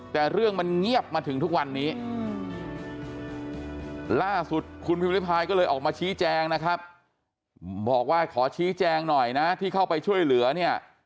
แต่เรื่องมันเงียบมาถึงทุกวันนี้ล่าสุดคุณพิมริพายก็เลยออกมาชี้แจงนะครับบอกว่าขอชี้แจงหน่อยนะที่เข้าไปช่วยเหลือเนี่ย